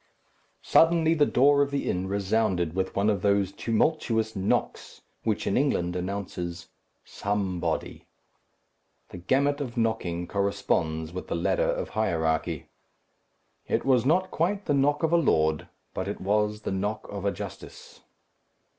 Suddenly the door of the inn resounded with one of those tumultuous knocks which in England announces "Somebody." The gamut of knocking corresponds with the ladder of hierarchy. It was not quite the knock of a lord; but it was the knock of a justice.